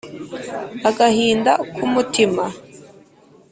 Agahinda ku mutima.